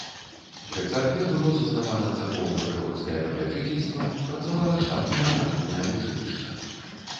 Пры царкве было заснавана царкоўна-прыходскае папячыцельства, працавала штатнае народнае вучылішча.